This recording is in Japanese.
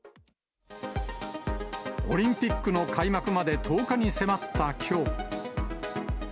オリンピックの開幕まで１０日に迫ったきょう。